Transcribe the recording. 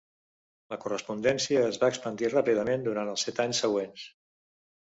La correspondència es va expandir ràpidament durant els set anys següents.